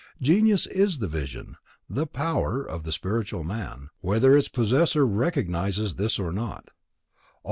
Genius is the vision, the power, of the spiritual man, whether its possessor recognizes this or not.